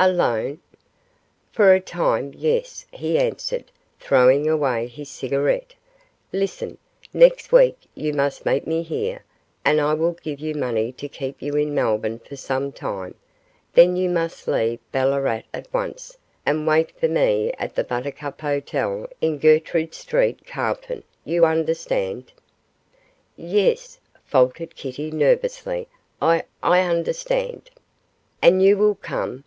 'Alone?' 'For a time, yes,' he answered, throwing away his cigarette; 'listen next week you must meet me here, and I will give you money to keep you in Melbourne for some time; then you must leave Ballarat at once and wait for me at the Buttercup Hotel in Gertrude Street, Carlton; you understand?' 'Yes,' faltered Kitty, nervously; 'I I understand.' 'And you will come?